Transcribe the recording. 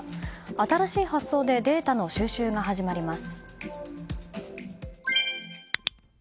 新しい発想でデータの収集が始まります。